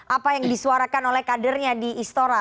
apa yang disuarakan oleh kadernya di istora